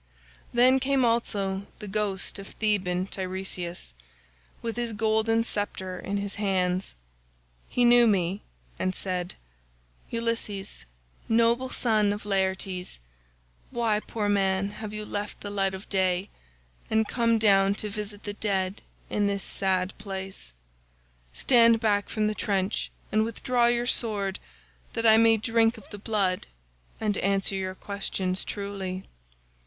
"Then came also the ghost of Theban Teiresias, with his golden sceptre in his hand. He knew me and said, 'Ulysses, noble son of Laertes, why, poor man, have you left the light of day and come down to visit the dead in this sad place? Stand back from the trench and withdraw your sword that I may drink of the blood and answer your questions truly.